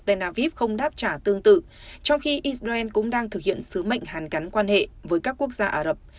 tel aviv không đáp trả tương tự trong khi israel cũng đang thực hiện sứ mệnh hàn cắn quan hệ với các quốc gia ả rập